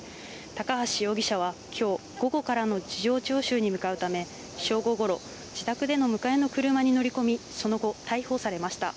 高橋容疑者はきょう午後からの事情聴取に向かうため、正午ごろ、自宅での迎えの車に乗り込み、その後、逮捕されました。